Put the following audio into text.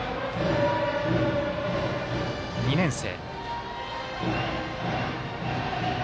２年生。